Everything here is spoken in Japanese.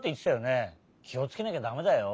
きをつけなきゃだめだよ。